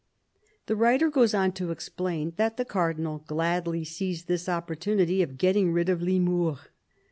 The writer goes on to explain that the Cardinal gladly seized this opportunity of getting rid of Limours.